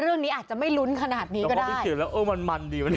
เรื่องนี้อาจจะไม่รุนขนาดนี้ก็ได้